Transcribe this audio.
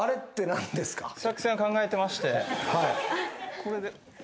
これで。